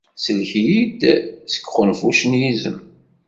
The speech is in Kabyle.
Sellek-iyi-d seg uxenfuc n yizem.